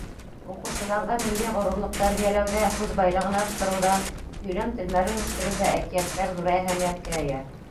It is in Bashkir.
Уҡыусыларҙа милли ғорурлыҡ тәрбиәләүҙә, һүҙ байлығын арттырыуҙа, һөйләм телмәрен үҫтереүҙә әкиәттәр ҙур әһәмиәткә эйә.